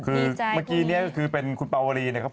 เมื่อกี้คือเป็นกลุ่มใหม่คุณปลาวอลี